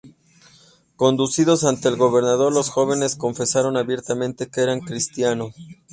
Conducidos ante el gobernador, los jóvenes confesaron abiertamente que eran cristianos.